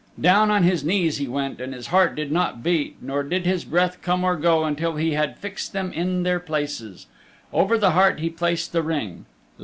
Down on his knees he went, and his heart did not beat nor did his breath come or go until he had fixed them in their places. Over the heart he placed the Ring.